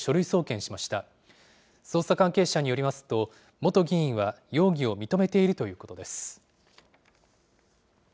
捜査関係者によりますと、元議員は容疑を認めているということです。